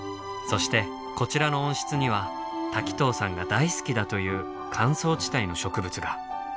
そしてこちらの温室には滝藤さんが大好きだという乾燥地帯の植物が。